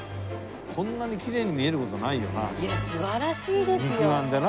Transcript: こんなにきれいに見える事ないよな。